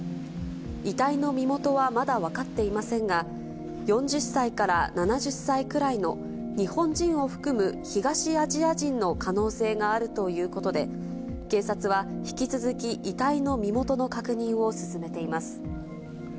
遺体の身元はまだ分かっていませんが、４０歳から７０歳くらいの、日本人を含む東アジア人の可能性があるということで、警察は、引き続き遺体の身元の確認を進めています。